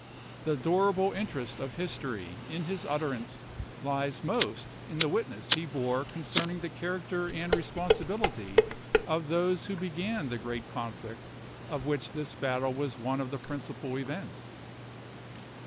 The durable interest of history in his utterance lies most in the witness he bore con cerning the character and responsibility of those who began the great conflict of which this battle was one of the principal events.